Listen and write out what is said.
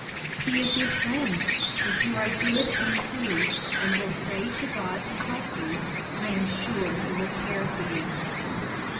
"He is your friend. If you are good and true, and will pray to God to help you, I am sure he will care for you."